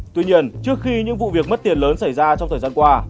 tuy nhiên trước khi những vụ việc mất tiền lớn xảy ra trong thời gian qua